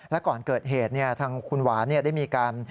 แล้วก่อนเกิดเหตุเนี่ยทางคุณหวานเนี่ยได้มีการ